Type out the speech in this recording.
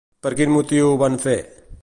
Per quin motiu ho van fer?